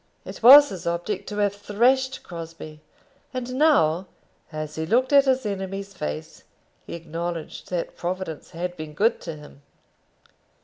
It was his object to have thrashed Crosbie, and now, as he looked at his enemy's face, he acknowledged that Providence had been good to him.